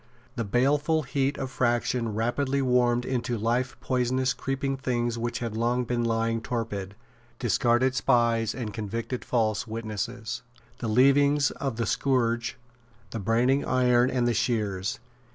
The baleful heat of faction rapidly warmed into life poisonous creeping things which had long been lying torpid, discarded spies and convicted false witnesses, the leavings of the scourge, the branding iron and the shears.